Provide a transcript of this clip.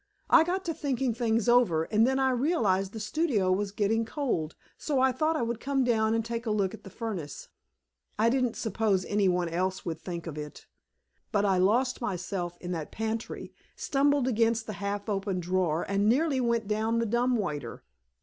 I got to thinking things over, and then I realized the studio was getting cold, so I thought I would come down and take a look at the furnace. I didn't suppose any one else would think of it. But I lost myself in that pantry, stumbled against a half open drawer, and nearly went down the dumb waiter."